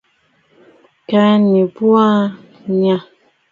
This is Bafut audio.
Kɛ̀ʼɛ nɨbuʼu nyâ.